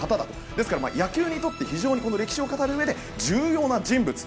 ですから野球にとって非常に歴史を語るうえで重要な人物。